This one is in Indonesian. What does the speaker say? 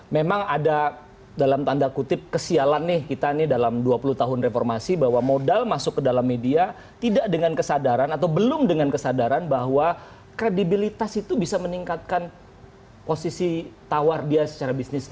memang ada dalam tanda kutip kesialan nih kita nih dalam dua puluh tahun reformasi bahwa modal masuk ke dalam media tidak dengan kesadaran atau belum dengan kesadaran bahwa kredibilitas itu bisa meningkatkan posisi tawar dia secara bisnis